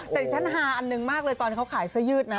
แต่ฉันหาอันหนึ่งมากเลยตอนเขาขายซะยืดนะ